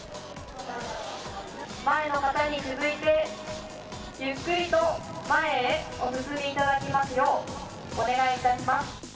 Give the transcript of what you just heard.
前の方に続いて、ゆっくりと前へお進みいただきますようお願いいたします。